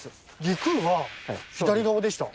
外宮は左側でした。